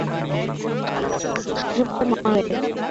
শৈশবে তার মা মারা যান।